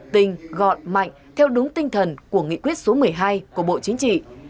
tinh gọn mạnh theo đúng tinh thần của nghị quyết số một mươi hai của bộ chính trị